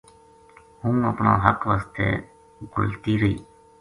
ہوں اپنا حق واسطے گھُلتی رہی